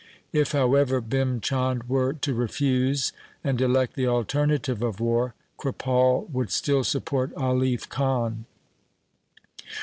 If, however, Bhim Chand were to refuse and elect the alternative of war, Kripal would still support Alif Khan.